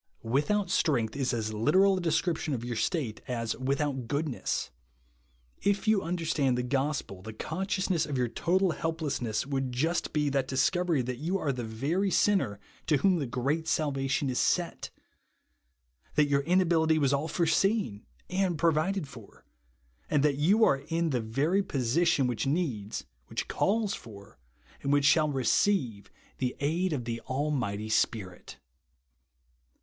" Without strength" is as literal a description of your state, as "without goodness." If you under stand the gospel, the consciousness of your total helplessness would just be the dis covery that you are the very sinner to whom the great salvation is sent ; that your inability was all foreseen and provided for, and that you are in the very position which needs, which calls for, and Avhich shall re ceive, the aid of the Almighty Spirit.